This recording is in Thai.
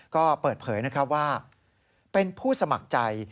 ก็เปิดเผยว่าเป็นผู้สมัครใจ